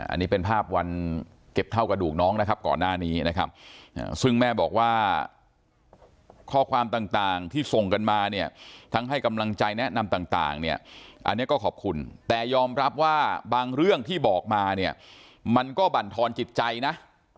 อันนี้เป็นภาพวันเก็บเท่ากระดูกน้องนะครับก่อนหน้านี้นะครับซึ่งแม่บอกว่าข้อความต่างที่ส่งกันมาเนี่ยทั้งให้กำลังใจแนะนำต่างเนี่ยอันนี้ก็ขอบคุณแต่ยอมรับว่าบางเรื่องที่บอกมาเนี่ยมันก็บรรทอนจิตใจนะ